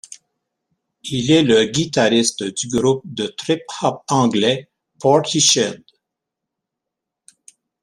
Il est le guitariste du groupe de trip hop anglais Portishead.